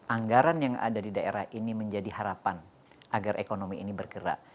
anggaran yang ada di daerah ini menjadi harapan agar ekonomi ini bergerak